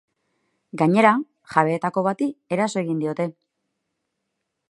Gainera, jabeetako bati eraso egin diote.